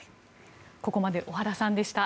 ここまで小原さんでした。